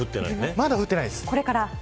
まだ降ってないです。